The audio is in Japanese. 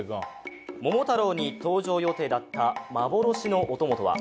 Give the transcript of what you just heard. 桃太郎に登場予定だった幻のお供とは？